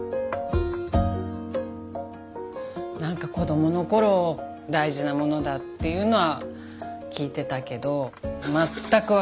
子どもの頃大事なものだっていうのは聞いてたけど全く分かりません。